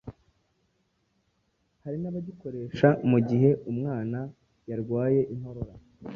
hari n’abagikoresha mu gihe umwana yarwaye inkorora,